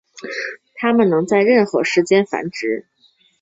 它们能在任何时间繁殖。